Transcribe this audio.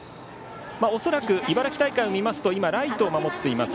恐らく茨城大会を見ますと今、ライトを守っています